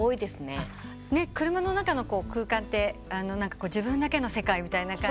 車の中の空間って自分だけの世界みたいな感じで。